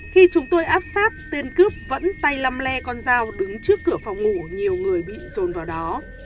khi chúng tôi áp sát tên cướp vẫn tay lăm le con dao đứng trước cửa phòng ngủ nhiều người bị dồn vào đó